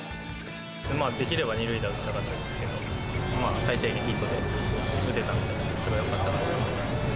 できれば２塁打を打ちたかったですけど、最低限ヒットを打てたので、それはよかったかなと。